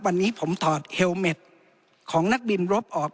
วันนี้ผมถอดเฮลเมดของนักบินรบออก